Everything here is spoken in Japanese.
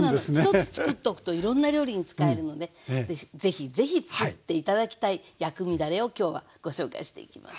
１つつくっとくといろんな料理に使えるので是非是非つくって頂きたい薬味だれを今日はご紹介していきます。